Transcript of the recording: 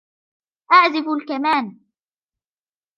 أعزف الكمان.